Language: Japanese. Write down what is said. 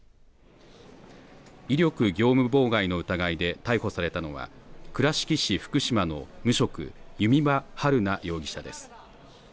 威力業務妨害の疑いで逮捕されたのは倉敷市福島の無職弓場晴菜容疑者です。